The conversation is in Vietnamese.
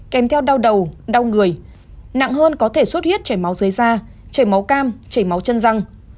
kèm theo đau đầu đau người nặng hơn có thể xuất huyết chảy máu dưới da chảy máu cam chảy máu chân răng